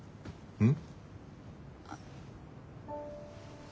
うん。